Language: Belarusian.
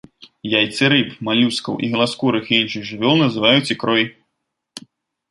Яйцы рыб, малюскаў, ігласкурых і іншых жывёл называюць ікрой.